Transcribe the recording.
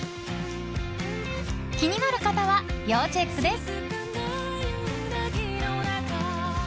気になる方は要チェックです！